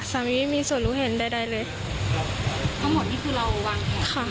สามีมีส่วนรู้เห็นใดใดเลยเพราะหมดนี่คือเราวางแพง